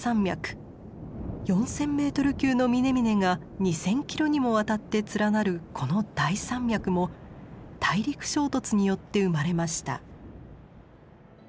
４，０００ｍ級の峰々が２，０００ｋｍにもわたって連なるこの大山脈も大陸衝突によって生まれました。